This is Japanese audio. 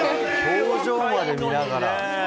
表情まで見ながら。